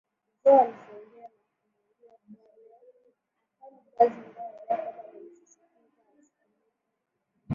Zo alisogea na kumwambia kuwa leo hafanyi kazi ingawa Jacob alimsisitiza amsikilize